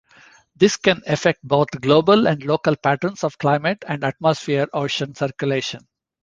This can affect both global and local patterns of climate and atmosphere-ocean circulation.